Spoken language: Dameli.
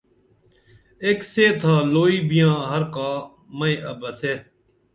ایک سے تھا لُوئی بیاں ہر کا مئی عبسے